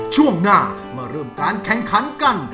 ช่วงหน้ามาเริ่มการแข่งขันกัน